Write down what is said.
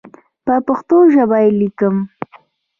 په پښتو ژبه یې لیکم.